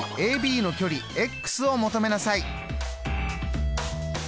ＡＢの距離を求めなさい。